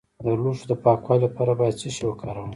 د لوښو د پاکوالي لپاره باید څه شی وکاروم؟